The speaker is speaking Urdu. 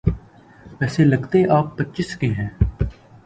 ویسے لگتے آپ پچیس کے ہیں۔